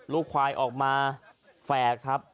ลูกควายออกมาแฝดครับ